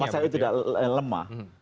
masyarakat itu lemah